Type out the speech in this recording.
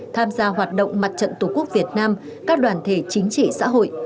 tham gia hoạt động mặt trận tổ quốc việt nam các đoàn thể chính trị xã hội